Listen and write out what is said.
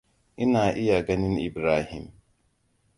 Ina iya ganin Ibrahim.